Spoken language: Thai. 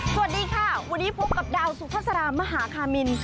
สวัสดีค่ะวันนี้พบกับดาวสุภาษามหาคามิน